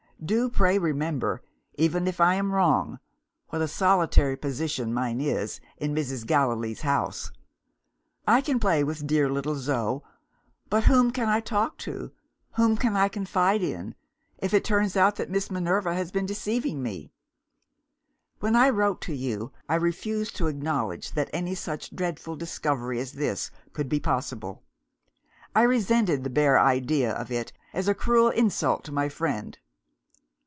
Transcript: Do pray remember even if I am wrong what a solitary position mine is, in Mrs. Gallilee's house! I can play with dear little Zo; but whom can I talk to, whom can I confide in, if it turns out that Miss Minerva has been deceiving me? "When I wrote to you, I refused to acknowledge that any such dreadful discovery as this could be possible; I resented the bare idea of it as a cruel insult to my friend.